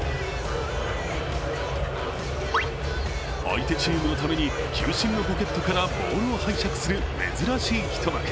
相手チームのために球審のポケットからボールを拝借する珍しい一幕。